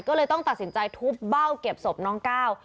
ก็เลยต้องตัดสินใจทุบเบ้าเก็บศพน้องก้าว